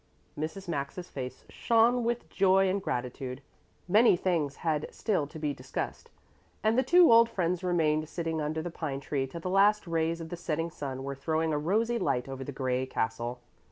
Mrs. Maxa's face shone with joy and gratitude. Many things had still to be discussed, and the two old friends remained sitting under the pine tree till the last rays of the setting sun were throwing a rosy light over the gray castle.